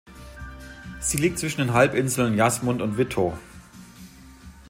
Sie liegt zwischen den Halbinseln Jasmund und Wittow.